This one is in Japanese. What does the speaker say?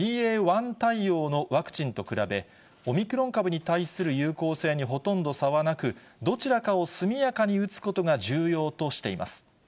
１対応のワクチンと比べ、オミクロン株に対する有効性にほとんど差はなく、どちらかを速やかに打つことが重要としています。